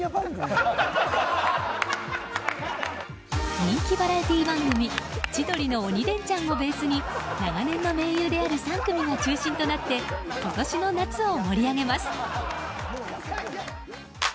人気バラエティー番組「千鳥の鬼レンチャン」をベースに長年の盟友である３組が中心となって今年の夏を盛り上げます。